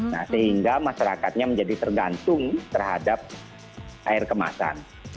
nah sehingga masyarakatnya menjadi tergantung terhadap air kemasan